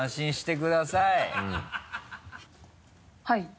はい。